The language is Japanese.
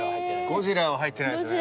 ゴジラは入ってないですね。